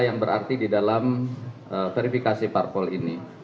yang berarti di dalam verifikasi parpol ini